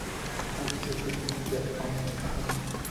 Antes de ser reconocido, "Jack" abandona el campamento.